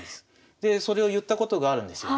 でそれを言ったことがあるんですよ。